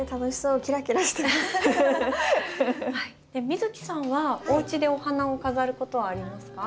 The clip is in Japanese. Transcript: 美月さんはおうちでお花を飾ることはありますか？